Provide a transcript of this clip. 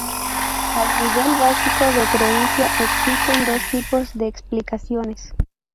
Al nivel básico de creencia, existen dos tipos de explicaciones.